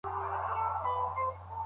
علمي حقایق باید د تکرار وړ وي.